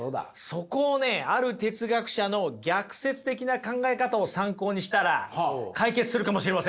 そこをねある哲学者の逆説的な考え方を参考にしたら解決するかもしれません。